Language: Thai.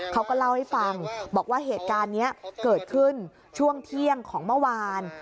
เขาก็เล่าให้ฟังบอกว่าเหตุการณ์นี้เกิดขึ้นช่วงเที่ยงของเมื่อวาน